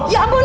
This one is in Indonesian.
ya ampun bang